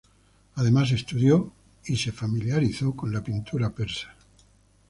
Además, estudió y se familiarizó con la pintura persa.